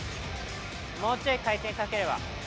もうちょい回転かければ。